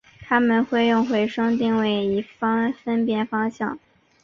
它们会用回声定位以分辨方向。